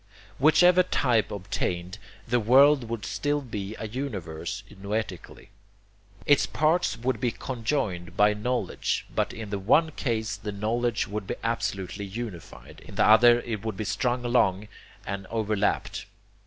Whichever type obtained, the world would still be a universe noetically. Its parts would be conjoined by knowledge, but in the one case the knowledge would be absolutely unified, in the other it would be strung along and overlapped.